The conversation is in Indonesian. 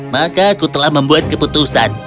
maka aku telah membuat keputusan